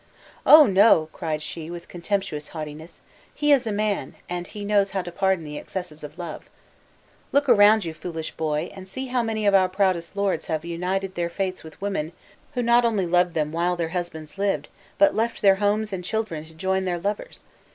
"Oh, no!" cried she, with contemptuous haughtiness; "he is a man, and he knows how to pardon the excesses of love! Look around you, foolish boy, and see how many of our proudest lords have united their fates with women who not only loved them while their husbands lived, but left their homes and children to join their lovers!